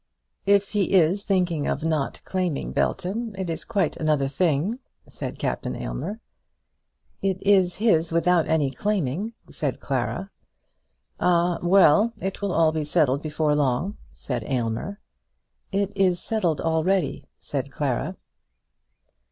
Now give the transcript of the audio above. "If he is thinking of not claiming Belton, it is quite another thing," said Aylmer. "It is his without any claiming," said Clara. "Ah, well; it will all be settled before long," said Aylmer. "It is settled already," said Clara.